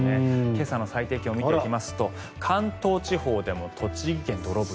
今朝の最低気温を見ていきますと関東地方でも栃木県土呂部。